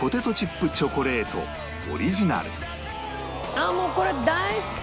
ああもうこれ大好き！